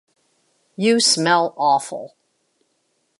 You smell awful.